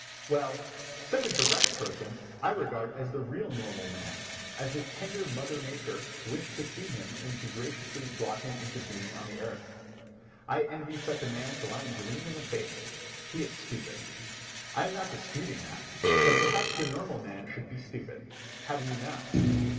Well, such a direct person I regard as the real normal man, as his tender mother nature wished to see him when she graciously brought him into being on the earth. I envy such a man till I am green in the face. He is stupid. I am not disputing that, but perhaps the normal man should be stupid, how do you know?